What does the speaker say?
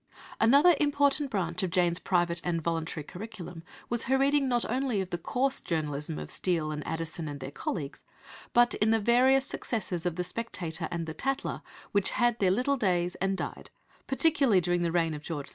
Another important branch of Jane's private and voluntary curriculum was her reading not only in the "coarse" journalism of Steele and Addison and their colleagues, but in the various successors of the Spectator and the Tatler which had their little days and died, particularly during the reign of George II.